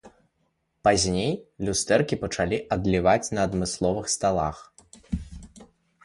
Пазней люстэркі пачалі адліваць на адмысловых сталах.